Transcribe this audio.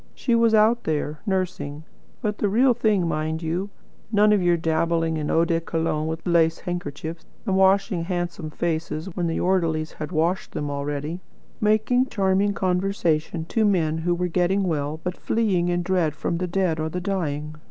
She was out there, nursing; but the real thing, mind you. None of your dabbling in eau de cologne with lace handkerchiefs, and washing handsome faces when the orderlies had washed them already; making charming conversation to men who were getting well, but fleeing in dread from the dead or the dying.